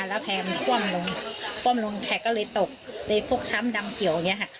แล้วแพร่มันกว่ำลงแข็งก็เลยตกในพวกช้ำดำเขียวนี้ค่ะ